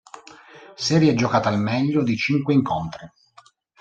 Serie giocata al meglio dei cinque incontri.